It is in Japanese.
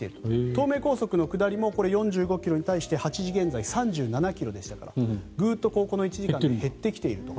東名高速の下りも４５ｋｍに対して８時現在、３７ｋｍでしたからグーッとこの１時間で減ってきていると。